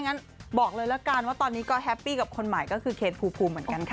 งั้นบอกเลยละกันว่าตอนนี้ก็แฮปปี้กับคนใหม่ก็คือเคนภูมิเหมือนกันค่ะ